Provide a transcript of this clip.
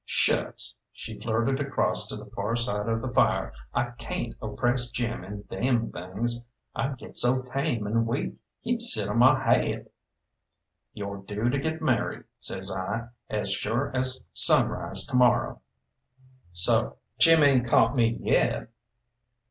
"Shucks!" she flirted across to the far side of the fire. "I cayn't oppress Jim in them things I'd get so tame and weak he'd sit on my haid!" "You're due to get mar'ied," says I, "as sure as sunrise to morrow." "So! Jim ain't caught me yet!"